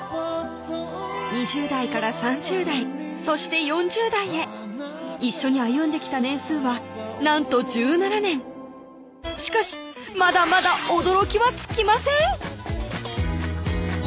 ２０代から３０代そして４０代へ一緒に歩んできた年数はなんと１７年しかしまだまだ驚きは尽きません